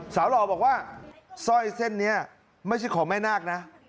หล่อบอกว่าสร้อยเส้นนี้ไม่ใช่ของแม่นาคนะ